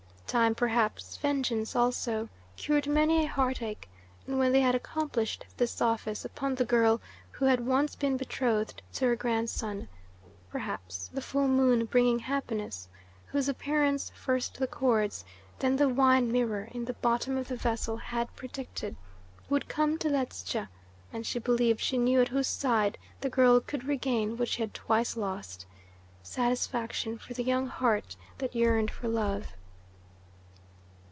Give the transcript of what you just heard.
Time, perhaps vengeance also, cured many a heartache, and when they had accomplished this office upon the girl who had once been betrothed to her grandson, perhaps the full moon bringing happiness, whose appearance first the cords, then the wine mirror in the bottom of the vessel had predicted, would come to Ledscha, and she believed she knew at whose side the girl could regain what she had twice lost satisfaction for the young heart that yearned for love.